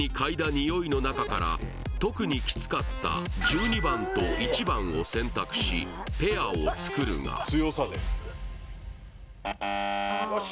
ニオイの中から特にキツかった１２番と１番を選択しペアをつくるがよし！